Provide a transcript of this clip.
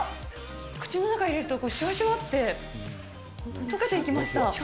口の中に入れると、しゅわしゅわってとけていきました。